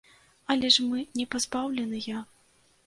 Але ж мы не пазбаўленыя.